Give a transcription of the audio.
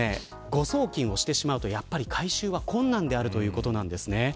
誤送金をしてしまうと回収は困難であるということです。